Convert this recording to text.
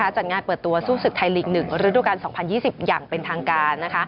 จัดงานเปิดตัวสู้ศึกไทยลีก๑ฤดูการ๒๐๒๐อย่างเป็นทางการ